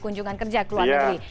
kunjungan kerja ke luar negeri